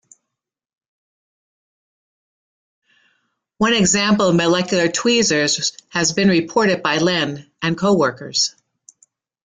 One example of molecular tweezers has been reported by Lehn and coworkers.